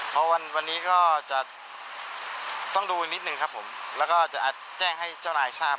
พอวันวันนี้ก็จะต้องดูนิดนึงครับผมแล้วก็จะแจ้งให้เจ้านายทราบ